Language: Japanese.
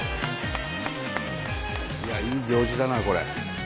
いい行事だなこれ。